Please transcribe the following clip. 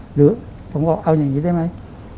หรือผมบอกเอาอย่างนี้ได้ไหม